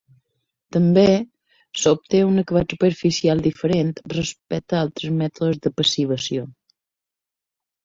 També, s'obté un acabat superficial diferent respecte a altres mètodes de passivació.